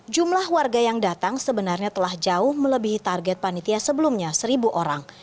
jumlah warga yang datang sebenarnya telah jauh melebihi target panitia sebelumnya seribu orang